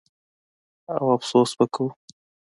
او افسوس به کوو.